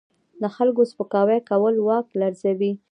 د خلکو سپکاوی کول واک لرزوي.